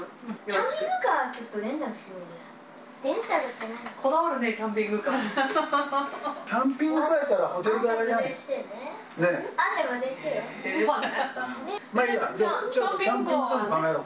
キャンピングカー、ちょっとレンタルしようよ。